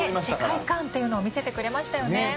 世界観というのを見せてくれました。